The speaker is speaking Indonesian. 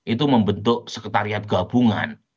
itu membentuk sekretariat gabungan